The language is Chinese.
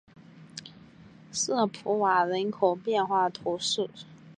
瑟普瓦人口变化图示